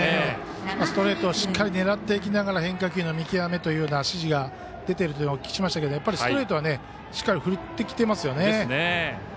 ストレートをしっかり狙っていきながら変化球の見極めという指示が出ているとお聞きしましたけどストレートはしっかり振ってきていますよね。